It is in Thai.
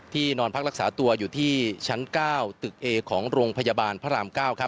นอนพักรักษาตัวอยู่ที่ชั้น๙ตึกเอของโรงพยาบาลพระราม๙